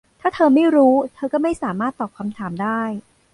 ถ้าเธอไม่รู้ เธอก็ไม่สามารถตอบคำถามได้